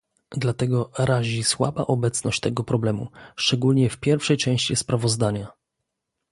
Dlatego razi słaba obecność tego problemu, szczególnie w pierwszej części sprawozdania